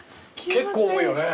結構重いよね。